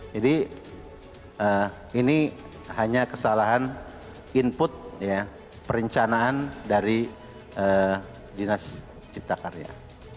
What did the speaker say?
jadi ini hanya kesalahan input perencanaan dari dinas cipta karya